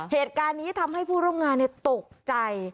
เหตุการณ์นี้ทำให้ผู้ร่วมงานตกใจ